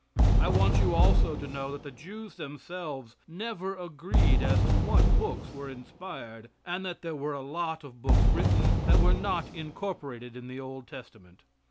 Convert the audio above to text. I want you also to know that the Jews themselves never agreed as to what books were inspired, and that there were a lot of books written that were not incorporated in the Old Testament.